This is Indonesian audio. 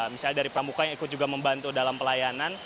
misalnya dari pramuka yang ikut juga membantu dalam pelayanan